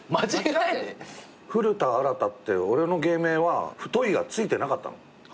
「古田新太」って俺の芸名は「太い」がついてなかったの。